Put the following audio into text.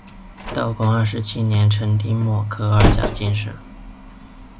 道光二十七年成丁未科二甲进士。